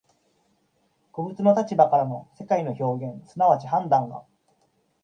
個物の立場からの世界の表現即ち判断が、